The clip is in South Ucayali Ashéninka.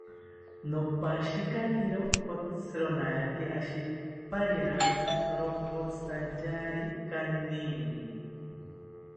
Nopashikakiro kotzironaki oshi pariantzi ronkotzitantyari kaniri